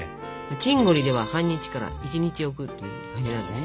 チンゴリでは半日から１日置くっていう感じなんですよ。